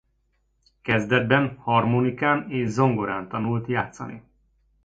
Kezdetben harmonikán és zongorán tanult játszani.